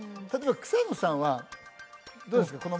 例えば草野さんはどうですか？